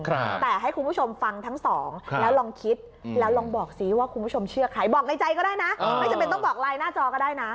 แต่ให้คุณผู้ชมฟังทั้งสองแล้วลองคิดแล้วลองบอกซิว่าคุณผู้ชมเชื่อใครบอกในใจก็ได้นะไม่จำเป็นต้องบอกไลน์หน้าจอก็ได้นะ